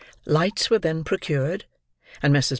Lights were then procured; and Messrs.